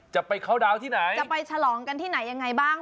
จะไปเข้าดาวน์ที่ไหนจะไปฉลองกันที่ไหนยังไงบ้าง